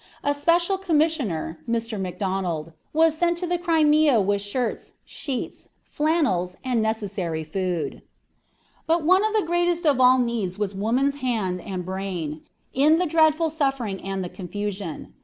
A special commissioner, Mr. Macdonald, was sent to the Crimea with shirts, sheets, flannels, and necessary food. But one of the greatest of all needs was woman's hand and brain, in the dreadful suffering and the confusion.